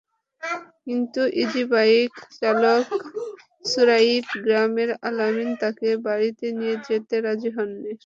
কিন্তু ইজিবাইকচালক সুরাবই গ্রামের আল-আমিন তাঁকে বাড়িতে নিয়ে যেতে রাজি হননি।